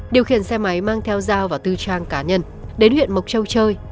điều khiển xe máy mang theo dao vào tư trang cá nhân đến huyện mộc châu chơi